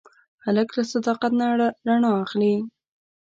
هلک له صداقت نه رڼا اخلي.